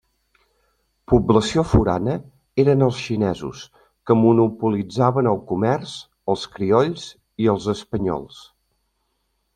Població forana eren els xinesos, que monopolitzaven el comerç, els criolls i els espanyols.